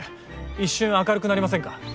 一瞬明るくなりませんか？